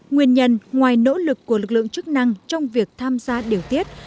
nguyên nhân ngoài nỗ lực của lực lượng chức năng trong việc tham gia điều tiết